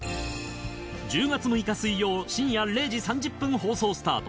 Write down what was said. １０月６日水曜深夜０時３０分放送スタート